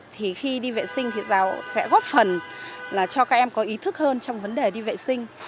thì khi đi vệ sinh thì giáo sẽ góp phần là cho các em có ý thức hơn trong vấn đề đi vệ sinh